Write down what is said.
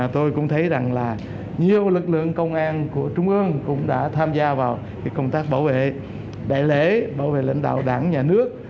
tôi cũng thấy rằng là nhiều lực lượng công an của trung ương cũng đã tham gia vào công tác bảo vệ đại lễ bảo vệ lãnh đạo đảng nhà nước